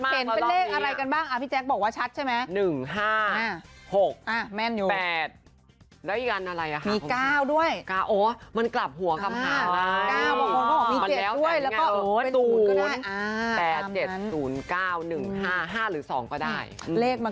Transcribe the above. เห็นเป็นเลขอะไรกันบ้างพี่แจ๊คบอกว่าชัดใช่ไหม